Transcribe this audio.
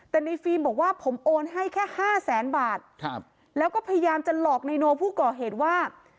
แต่ในฟิล์มบอกว่าผมโอนให้แค่ห้าแสนบาทครับแล้วก็พยายามจะหลอกนายโนผู้ก่อเหตุว่า